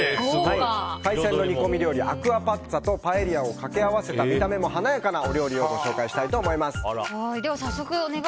海鮮の煮込み料理アクアパッツァとパエリアを掛け合わせた見た目も華やかなお料理をご紹介したいと思います。